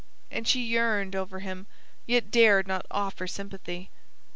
And she yearned over him, yet dared not offer sympathy.